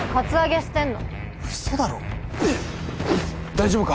大丈夫か？